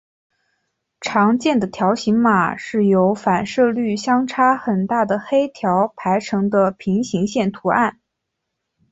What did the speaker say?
常见的条形码是由反射率相差很大的黑条排成的平行线图案。